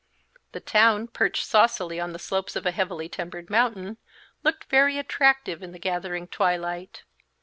The town, perched saucily on the slopes of a heavily timbered mountain, looked very attractive in the gathering twilight.